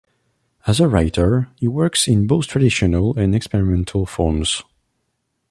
As a writer, he works in both traditional and experimental forms.